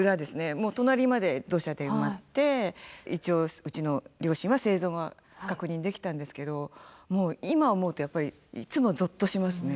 もう隣まで土砂で埋まって一応うちの両親は生存は確認できたんですけどもう今思うとやっぱりいつもぞっとしますね。